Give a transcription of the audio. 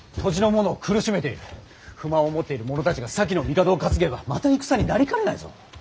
不満を持っている者たちが先の帝を担げばまた戦になりかねないぞ。